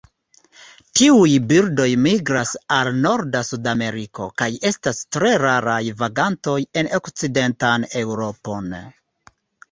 Tiuj birdoj migras al norda Sudameriko, kaj estas tre raraj vagantoj en okcidentan Eŭropon.